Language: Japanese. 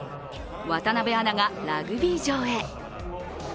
渡部アナがラグビー場へ。